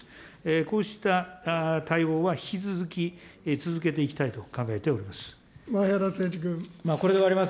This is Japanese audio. こうした対応は、引き続き続けていきたいと考えております。